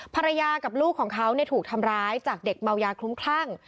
ภรรยากับลูกของเขาถูกทำร้ายจากเด็กเมายาคลุ้มคลั่ง